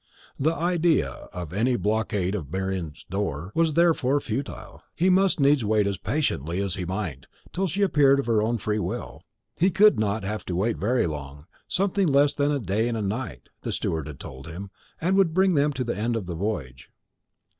The idea of any blockade of Marian's door was therefore futile. He must needs wait as patiently as he might, till she appeared of her own free will. He could not have to wait very long; something less than a day and a night, the steward had told him, would bring them to the end of the voyage.